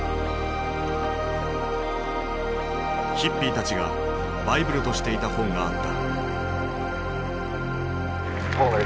ヒッピーたちがバイブルとしていた本があった。